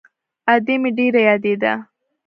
ادې مې ډېره يادېده.